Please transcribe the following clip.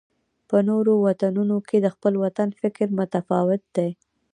په نورو وطنونو کې د خپل وطن فکر متفاوت دی.